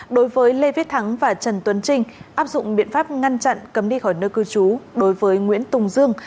đối với lê viết thắng và trần tuấn trinh áp dụng biện pháp ngăn chặn cấm đi khỏi nơi cư trú đối với nguyễn tùng dương